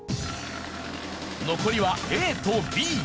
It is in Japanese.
残りはＡとＢ。